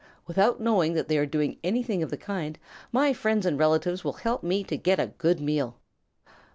Without knowing that they are doing anything of the kind, my friends and relatives will help me to get a good meal.